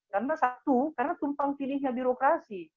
karena satu karena tumpang pilihnya birokrasi